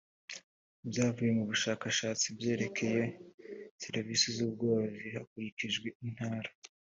ibyavuye mu bushakashatsi byerekeye serivisi z ubworozi hakurikijwe intara